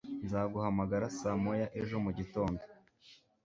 Nzaguhamagara saa moya ejo mugitondo.